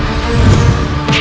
perasaan semua saping kayak gini